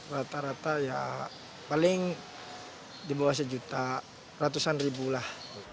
rata rata ya paling di bawah rp seratus lah